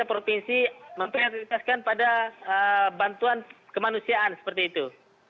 provinsi memprioritaskan pada bantuan kemanusiaan seperti itu